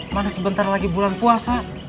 mana sebentar lagi bulan puasa